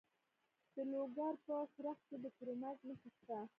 د لوګر په څرخ کې د کرومایټ نښې شته.